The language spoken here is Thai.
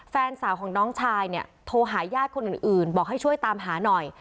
แฟนสาวของน้องชายเนี่ยโทรหาญาติคนอื่นบอกให้ช่วยตามหาหน่อย